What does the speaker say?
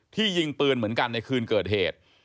ยิงปืนเหมือนกันในคืนเกิดเหตุ